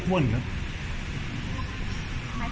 เรื่องนี้กันมาก